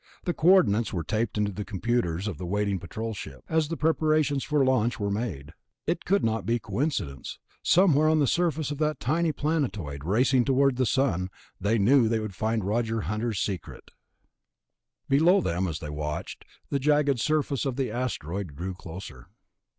The coordinates were taped into the computers of the waiting Patrol ship, as the preparations for launching were made. It could not be coincidence. Somewhere on the surface of that tiny planetoid racing in toward the Sun they knew they would find Roger Hunter's secret. Below them, as they watched, the jagged surface of the asteroid drew closer.